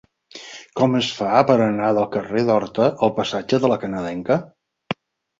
Com es fa per anar del carrer d'Horta al passatge de La Canadenca?